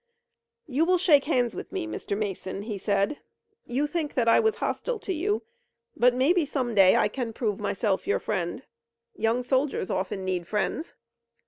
"You will shake hands with me, Mr. Mason," he said. "You think that I will be hostile to you, but maybe some day I can prove myself your friend. Young soldiers often need friends."